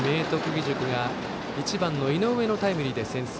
義塾が１番の井上のタイムリーで先制。